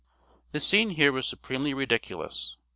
The scene here was supremely ridiculous.